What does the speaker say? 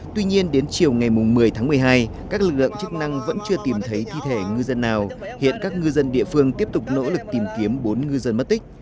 tuy nhiên đến chiều ngày một mươi tháng một mươi hai các lực lượng chức năng vẫn chưa tìm thấy thi thể ngư dân nào hiện các ngư dân địa phương tiếp tục nỗ lực tìm kiếm bốn ngư dân mất tích